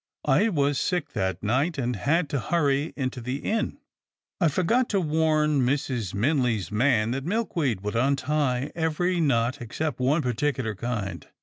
I was sick that night, and had to hurry into the Inn. I forgot to warn Mrs. Minley's man that Milkweed would untie every knot except one particular kind.